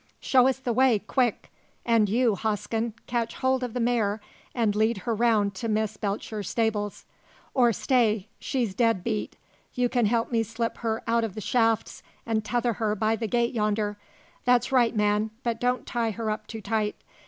"Show us the way, quick! And you, Hosken, catch hold of the mare and lead her round to Miss Belcher's stables. Or, stay she's dead beat. You can help me slip her out of the shafts and tether her by the gate yonder. That's right, man; but don't tie her up too tight.